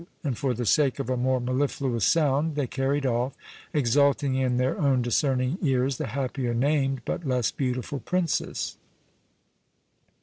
and for the sake of a more mellifluous sound, they carried off, exulting in their own discerning ears, the happier named, but less beautiful princess.